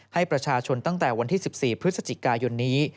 ให้ประชาชนตั้งแต่วันที่๑๔พฤศจิกายนนี้